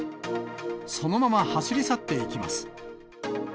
そのまま走り去っていきます。